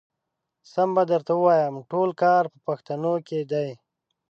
سم به درته ووايم ټول کار په پښتنو کې دی.